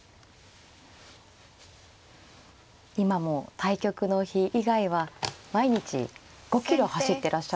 今も対局の日以外は毎日５キロ走ってらっしゃるそうで。